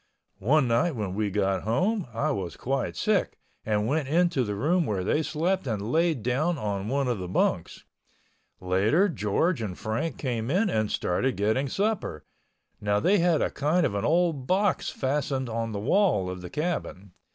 One night when we got home I was quite sick and went into the room where they slept and laid down on one of the bunks. Later George and Frank came in and started getting supper. Now, they had a kind of an old box fastened on the wall of the cabin.